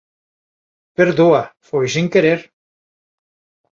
_Perdoa, foi sen querer;